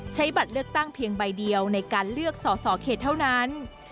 บัตรเลือกตั้งเพียงใบเดียวในการเลือกสอสอเขตเท่านั้น